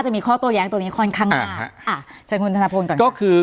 จะมีข้อโต้แย้งตัวนี้ค่อนข้างมากอ่าเชิญคุณธนพลก่อนก็คือ